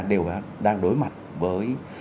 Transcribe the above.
đều đang đối mặt với